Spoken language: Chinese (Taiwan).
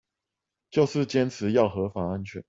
就是堅持要合法安全